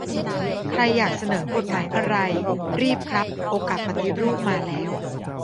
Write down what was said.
ใครอยากเสนอกฎหมายอะไร รีบครับ โอกาสปฏิรูปมาแล้ว